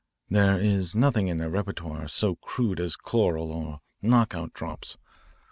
"There is nothing in their repertoire so crude as chloral or knock out drops.